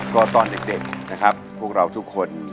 ก็ตอนเด็กนะครับพวกเราทุกคน